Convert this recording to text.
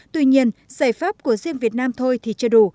tuy nhiên giải pháp của riêng việt nam thôi thì chưa đủ